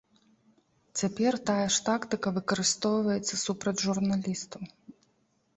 Цяпер тая ж тактыка выкарыстоўваецца супраць журналістаў.